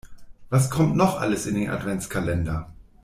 Was kommt noch alles in den Adventskalender?